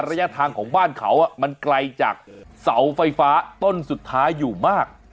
ระยะทางของบ้านเขามันไกลจากเสาไฟฟ้าต้นสุดท้ายอยู่มาก